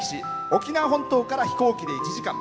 沖縄本島から飛行機で１時間。